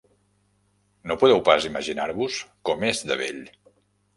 No podeu pas imaginar-vos com és de bell.